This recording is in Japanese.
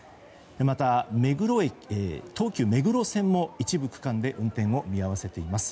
また、東急目黒線も一部区間で運転を見合わせています。